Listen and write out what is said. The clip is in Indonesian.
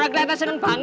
iya seperti nanti buangin